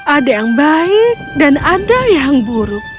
ada yang baik dan ada yang buruk